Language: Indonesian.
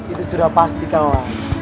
itu sudah pasti kawan